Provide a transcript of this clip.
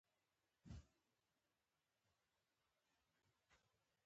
او تاسره چې کومې اندېښنې دي .